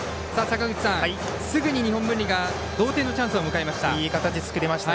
すぐに日本文理が同点のチャンスを迎えました。